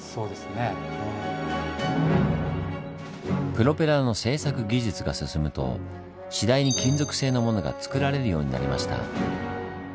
プロペラの製作技術が進むと次第に金属製のものがつくられるようになりました。